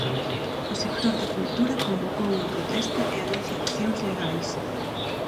O sector da cultura convocou unha protesta e anuncia accións legais.